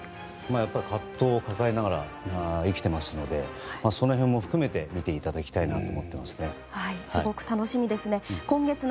葛藤を抱えながら生きていますのでその辺も含めて見ていただきたいなと。